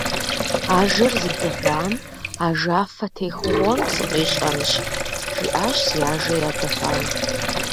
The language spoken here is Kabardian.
«Ажэр зыдыгъуам ажафэ техыгъуэм сыкъищӀэнщ», - жиӀащ зи ажэ ядыгъуам.